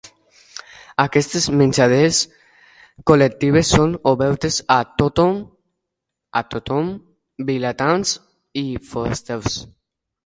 Aquestes menjades col·lectives són obertes a tothom, vilatans i forasters.